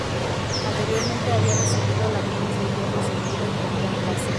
Anteriormente había recibido la Cruz de Hierro Segunda y Primera Clase.